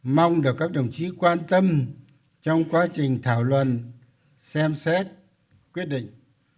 mong được các đồng chí quan tâm trong quá trình thảo luận xem xét quyết định